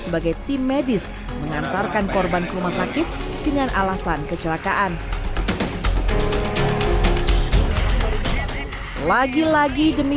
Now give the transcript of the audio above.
sebagai tim medis mengantarkan korban ke rumah sakit dengan alasan kecelakaan lagi lagi demi